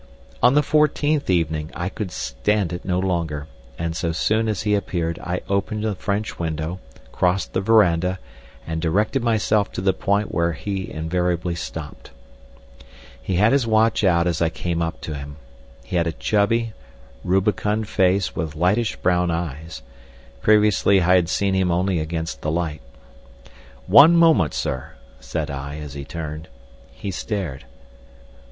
On the fourteenth evening I could stand it no longer, and so soon as he appeared I opened the french window, crossed the verandah, and directed myself to the point where he invariably stopped. He had his watch out as I came up to him. He had a chubby, rubicund face with reddish brown eyes—previously I had seen him only against the light. "One moment, sir," said I as he turned. He stared.